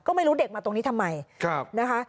ก็ไม่รู้เด็กมาตรงนี้ทำไมนะคะ